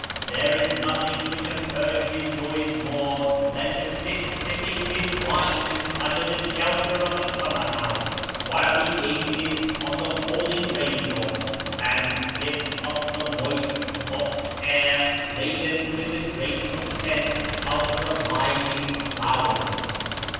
There is nothing which a Persian enjoys more than to sit sipping his wine under the shelter of a summerhouse, while he gazes on the falling rain drops, and sniffs up the moist, soft air, laden with the grateful scent of the reviving flowers.